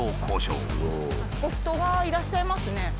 あそこ人がいらっしゃいますね。